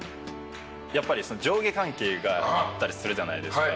やっぱり上下関係があったりするじゃないですか。